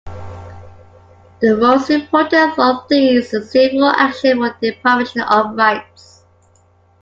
The most important of these is : "Civil action for deprivation of rights".